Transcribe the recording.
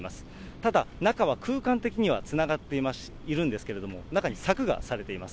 ただ、中は空間的にはつながっているんですけれども、中に柵がされています。